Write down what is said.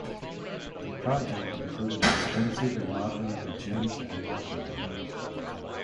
The project included extensive remodeling of the gyms and locker rooms.